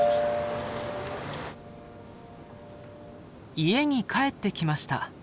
家に帰ってきました。